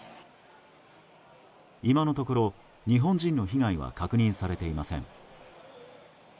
今のところ、日本人の被害は確認されていません。